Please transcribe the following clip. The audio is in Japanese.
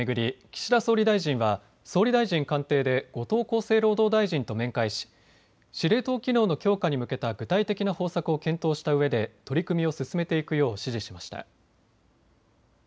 岸田総理大臣は総理大臣官邸で後藤厚生労働大臣と面会し司令塔機能の強化に向けた具体的な方策を検討したうえで取り組みを進めていくよう指示しました。